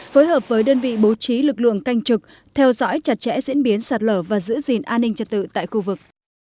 phối hợp với đơn vị bố trí lực lượng canh trực theo dõi chặt chẽ diễn biến sạt lở và giữ gìn an ninh trật tự tại khu vực